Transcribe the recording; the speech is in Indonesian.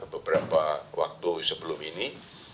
beberapa waktu sebelum ini